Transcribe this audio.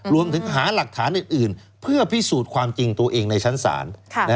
รวมถึงหาหลักฐานอื่นเพื่อพิสูจน์ความจริงตัวเองในชั้นศาล